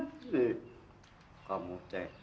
ih kamu teks